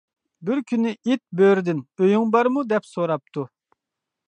بىر كۈنى ئىت بۆرىدىن «ئۆيۈڭ بارمۇ؟ » دەپ سوراپتۇ.